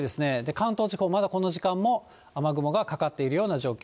関東地方、まだこの時間も雨雲がかかっているような状況。